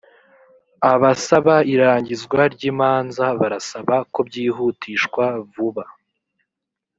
abasaba irangizwa ry ‘imanza barasaba kobyihutisshwa vuba.